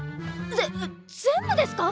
ぜ全部ですか！？